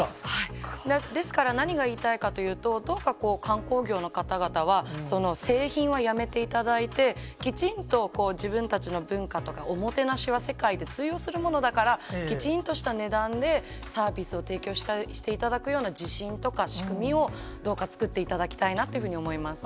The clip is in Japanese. ですから、何が言いたいかというと、どうか観光業の方々は、その製品はやめていただいて、きちんと自分たちの文化とかおもてなしは世界で通用するものだから、きちんとした値段でサービスを提供していただくような自信とか仕組みをどうか作っていただきたいなというふうに思います。